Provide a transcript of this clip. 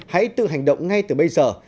hãy tự hành động ngay từ bây giờ